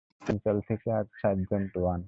তেরো, সেন্ট্রাল থেকে sergeant one.